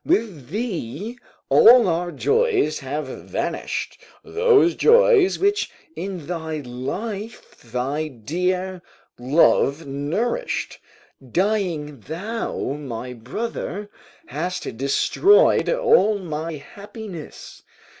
with thee, all our joys have vanished, those joys which, in thy life, thy dear love nourished. Dying, thou, my brother, hast destroyed all my happiness.